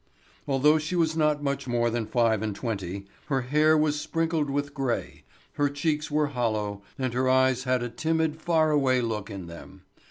Although she was not much more than five and twenty, her hair was sprinkled with grey, her cheeks were hollow, and her eyes had a timid, far away look in them.